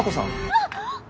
あっ！